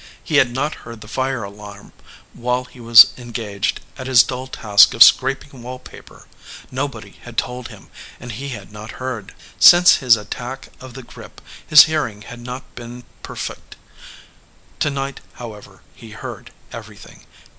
He had not heard the fire alarm while he was engaged at his dull task of scraping wall paper. Nobody had told him, and he had not heard. Since his attack of the grip his hearing had not been per fect. To night, however, he heard everything.